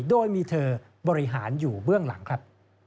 โดยมีเธอบริหารอยู่เบื้องหลังครับ